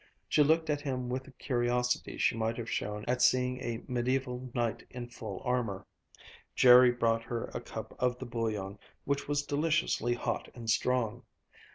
She looked at him with the curiosity she might have shown at seeing a mediaeval knight in full armor. Jerry brought her a cup of the bouillon, which was deliciously hot and strong.